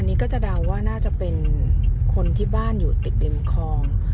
อันนี้ก็จะเดาว่าน่าจะเป็นคนที่บ้านอยู่ติดริมคลอง